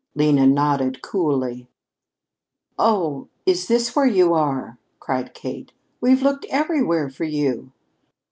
Lena nodded coolly. "Oh, is this where you are?" cried Kate. "We've looked everywhere for you."